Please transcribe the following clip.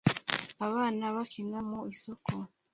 Abana bakina mu isoko